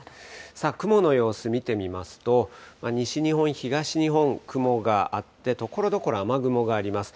さあ、雲の様子見てみますと、西日本、東日本、雲があって、ところどころ雨雲があります。